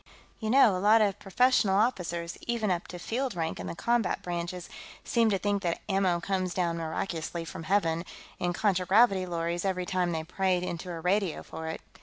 "You know, a lot of professional officers, even up to field rank in the combat branches, seem to think that ammo comes down miraculously from Heaven, in contragravity lorries, every time they pray into a radio for it.